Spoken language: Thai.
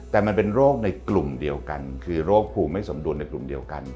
แต่มันเป็นโรคในกลุ่มเดียวกันคือโรคภูมิไม่สมดนในกลุ่มเดียวกัน